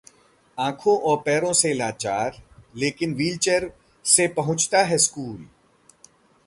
आंखों और पैरों से लाचार! लेकिन व्हीलचेयर से पहुंचता है स्कूल